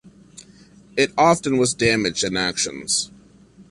It often was damaged in actions.